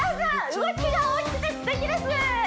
動きが大きくて素敵です！